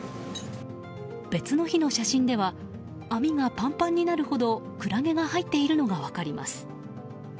別の日の写真では網がパンパンになるほどクラゲが入っているのが分かります。